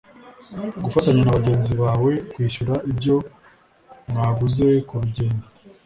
gufatanya na bagenzi bawe kwishyura ibyo mwaguze ku rugendo